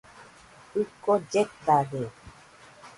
Jɨko lletade.